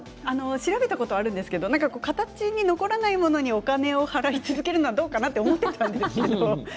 調べたことはあるんですけど形に残らないものにお金を払い続けるのはどうかなと思っていたんですけど